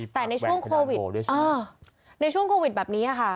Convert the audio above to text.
แต่ในช่วงโควิดในช่วงโควิดแบบนี้ค่ะ